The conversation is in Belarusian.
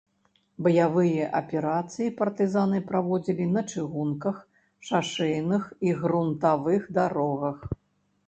Баявыя аперацыі партызаны праводзілі на чыгунках, шашэйных і грунтавых дарогах.